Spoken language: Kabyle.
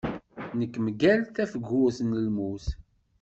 Nekk mgal tafgurt n lmut.